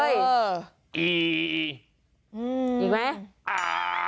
อีอีกันไหม